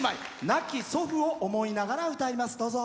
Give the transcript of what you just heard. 亡き祖父を思いながら歌います。